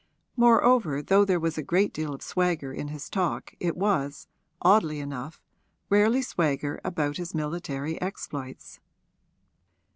Moreover though there was a great deal of swagger in his talk it was, oddly enough, rarely swagger about his military exploits.